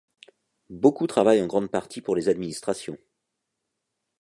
Beaucoup travaillent en grande partie pour les administrations.